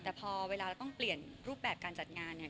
แต่พอเวลาเราต้องเปลี่ยนรูปแบบการจัดงานเนี่ย